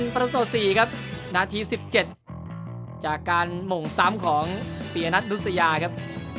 ประตูต่อ๔ครับนาที๑๗จากการหม่งซ้ำของปียนัทนุษยาครับ